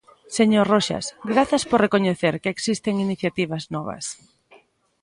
Señor Roxas, grazas por recoñecer que existen iniciativas novas.